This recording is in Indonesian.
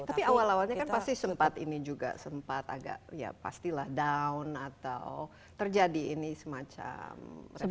tapi awal awalnya kan pasti sempat ini juga sempat agak ya pastilah down atau terjadi ini semacam refleksi